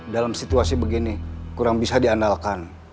dalam situasi begini kurang bisa diandalkan